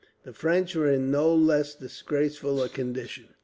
The French were in no less disgraceful a condition.